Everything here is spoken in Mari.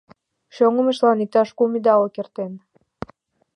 Чоҥымыштлан иктаж кум идалык эртен.